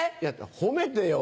褒めてよ！